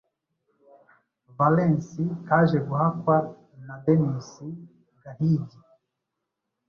Valens Kajeguhakwa na Denis Gahigi